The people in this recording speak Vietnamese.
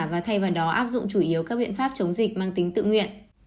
và thay vào đó áp dụng chủ yếu các biện pháp chống dịch mang tính tự nguyện